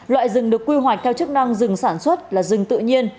loại rừng được quy hoạch theo chức năng rừng sản xuất là rừng tự nhiên